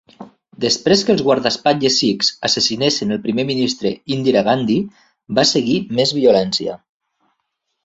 Després que els guardaespatlles sikhs assassinessin el primer ministre Indira Gandhi, va seguir més violència.